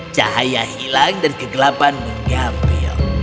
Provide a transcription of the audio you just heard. cahaya hilang dan kegelapan mengambil